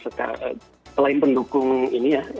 selain pendukung ini ya